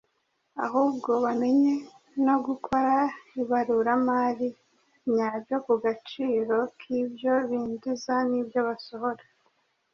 ahubwo bamenye no gukora ibaruramari nyaryo ku gaciro k’ibyo binjiza n’ibyo basohora.